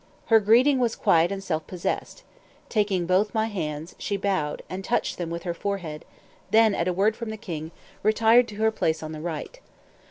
Her greeting was quiet and self possessed. Taking both my hands, she bowed, and touched them with her forehead; then, at a word from the king, retired to her place on the right.